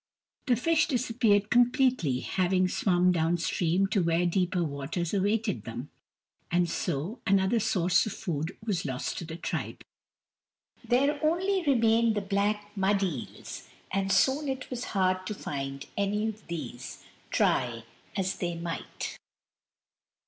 The fish disappeared completely, having swum down stream to where deeper waters awaited them ; and so another source of food was lost to the tribe. There only remained the black mud eels, and soon it was hard to find any of these, try as they might.